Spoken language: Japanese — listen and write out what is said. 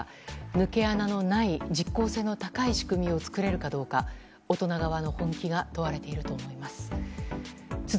抜け穴のない実効性の高い仕組みを作れるかどうか大人側の本気が問われていると思います。